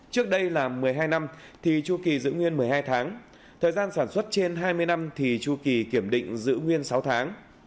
trước đây là một mươi hai năm thì chu kỳ giữ nguyên một mươi hai tháng thời gian sản xuất trên hai mươi năm thì chu kỳ kiểm định giữ nguyên sáu tháng